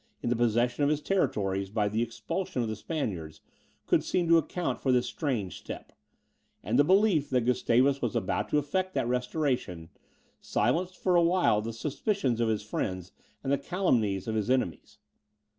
in the possession of his territories, by the expulsion of the Spaniards, could seem to account for this strange step; and the belief that Gustavus was about to effect that restoration, silenced for a while the suspicions of his friends and the calumnies of his enemies.